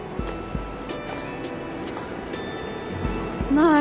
ない。